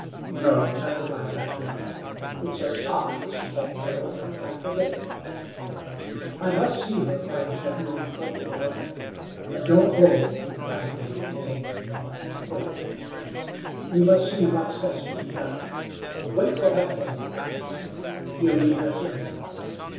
"No, nothing like that. It's a shock which she can't get over, can't forget." "I must see her," cried Jim, moving toward the door. "Don't go," replied Dave, detaining him. "Wait. We must see what's best to be done. Wait till Heckewelder comes. He'll be here soon.